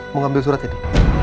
mau ambil surat ya di